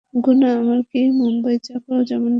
গুনা, আমরা কি মুম্বাই যাব যেমনটা ভাই বলেছে?